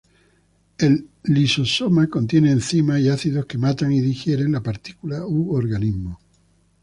El lisosoma contiene enzimas y ácidos que matan y digieren la partícula u organismo.